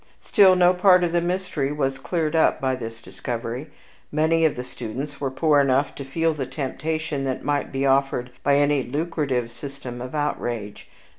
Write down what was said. Still, no part of the mystery was cleared up by this discovery. Many of the students were poor enough to feel the temptation that might be offered by any LUCRATIVE system of outrage.